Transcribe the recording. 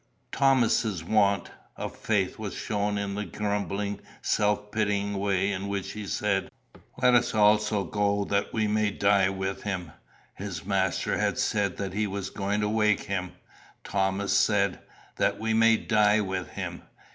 Thomas's want of faith was shown in the grumbling, self pitying way in which he said, 'Let us also go that we may die with him.' His Master had said that he was going to wake him. Thomas said, 'that we may die with him.